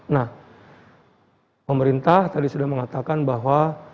nah pemerintah tadi sudah mengatakan bahwa